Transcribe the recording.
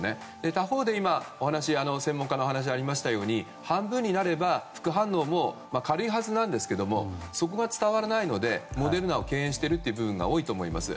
他方で今専門家のお話ありましたように半分になれば副反応も軽いはずなんですけどそこが伝わらないのでモデルナを敬遠している部分が多いと思います。